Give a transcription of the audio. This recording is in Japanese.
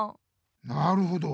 なるほど。